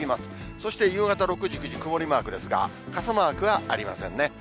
そして夕方６時、９時、曇りマークですが、傘マークはありませんね。